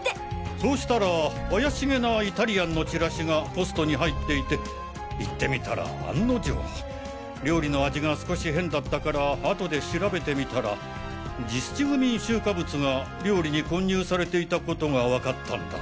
そうしたら怪しげなイタリアンのチラシがポストに入っていて行ってみたら案の定料理の味が少し変だったからあとで調べてみたらジスチグミン臭化物が料理に混入されていた事がわかったんだ。